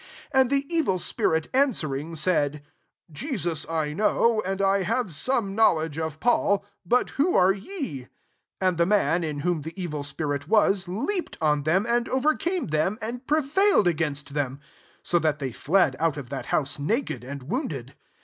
15 And the evil spirit answering, said, << Jesus I know, and I have some know ledge of Paul : but who are ye?" 16 And the man, in whom the evil spirit was, leaped on them, [and] overcame them, and pre vailed against them, so that they fled out of that house naked and wounded.